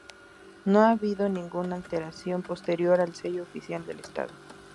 No ha habido ninguna alteración posterior al sello oficial del estado.